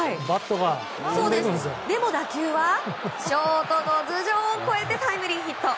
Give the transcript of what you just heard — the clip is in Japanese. でも打球はショートの頭上を越えてタイムリーヒット！